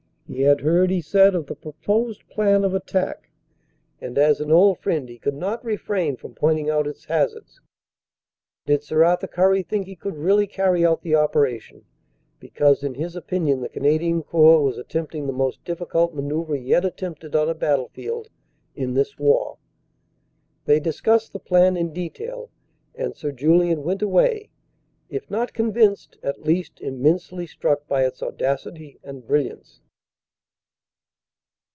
He had heard, he said, of the proposed plan of attack, and as an old friend he could not refrain from point ing out its hazards. Did Sir Arthur Currie think he could really carry out the operation, because in his opinion the Cana dian Corps was attempting the most difficult manoeuvre yet attempted on a battlefield in this war? They discussed the plan in detail, and Sir Julian went away, if not convinced, at least immensely struck by its audacity and brilliance.